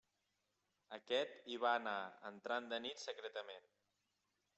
Aquest hi va anar, entrant de nit secretament.